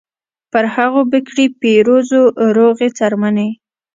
پر هغو به کړي پیرزو روغې څرمنې